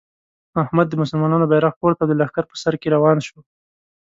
احمد د مسلمانانو بیرغ پورته او د لښکر په سر کې روان شو.